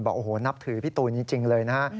บอกโอ้โหนับถือพี่ตูนจริงเลยนะฮะ